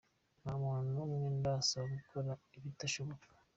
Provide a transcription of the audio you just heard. Nta muntu numwe ndasaba gukora ibidashoboka.